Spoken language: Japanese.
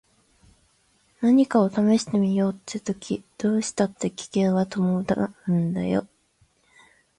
何かを試してみようって時どうしたって危険は伴うんだよ。